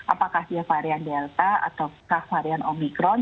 apakah dia varian delta ataukah varian omikron